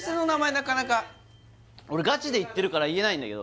なかなか俺ガチで行ってるから言えないんだけど